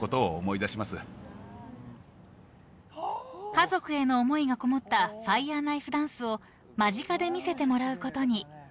［家族への思いがこもったファイヤーナイフ・ダンスを間近で見せてもらうことに］